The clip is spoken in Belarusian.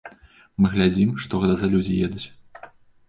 Мы глядзім, што гэта за людзі едуць.